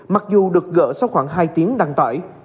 mặc dù được gỡ sau khoảng hai tiếng đăng tải